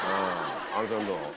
あのちゃんどう？